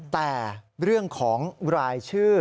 แต่เรื่องของรายชื่อ